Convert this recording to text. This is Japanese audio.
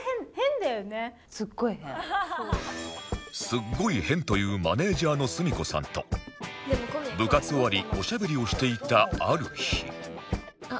「すっごい変」と言うマネジャーの澄子さんと部活終わりおしゃべりをしていたある日